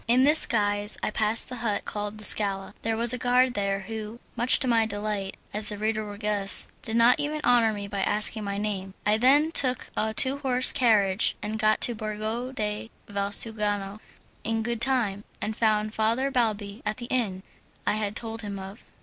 In this guise I passed the hut called the Scala. There was a guard there who, much to my delight, as the reader will guess, did not even honour me by asking my name. I then took a two horse carriage and got to Borgo de Valsugano in good time, and found Father Balbi at the inn I had told him of.